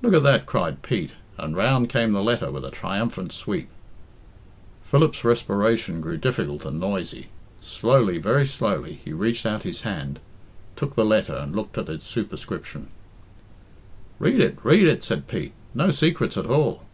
"Look at that," cried Pete, and round came the letter with a triumphant sweep. Philip's respiration grew difficult and noisy. Slowly, very slowly, he reached out his hand, took the letter, and looked at its superscription. "Read it read it," said Pete; "no secrets at all."